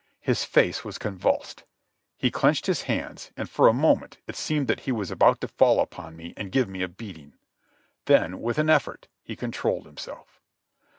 His face was convulsed. He clenched his hands, and, for a moment, it seemed that he was about to fall upon me and give me a beating. Then, with an effort, he controlled himself.